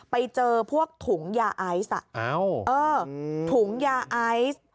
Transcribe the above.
ไปเจอพวกถุงยาไอซ์อ่ะเอ้าเออถุงยาไอซ์